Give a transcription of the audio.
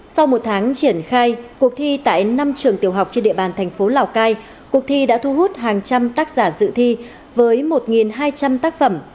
sau một tháng triển khai cuộc thi tại năm trường tiểu học trên địa bàn thành phố lào cai cuộc thi đã thu hút hàng trăm tác giả dự thi với một hai trăm linh tác phẩm